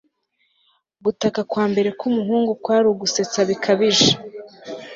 Gutaka kwambere kwumuhungu kwari ugusetsa bikabije